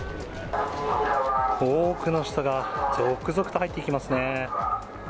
多くの人が続々と入っていき